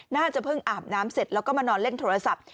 น่าจะเพิ่งอาบน้ำเสร็จแล้วก็มานอนเล่นโทรศัพท์